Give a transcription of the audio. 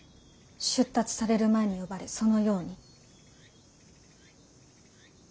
出立される前に呼ばれそのように。